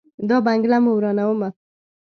دا بنګله مو ورانومه.